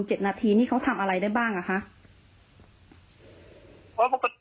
เจ็ดนาทีมันก็ทำอะไรไม่ได้แล้วถ้าเป็นผมก็